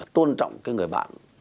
tôn trọng cái người bạn